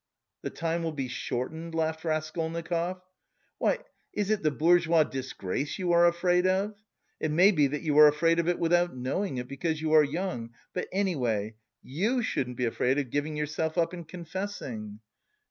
"The time will be shortened," laughed Raskolnikov. "Why, is it the bourgeois disgrace you are afraid of? It may be that you are afraid of it without knowing it, because you are young! But anyway you shouldn't be afraid of giving yourself up and confessing."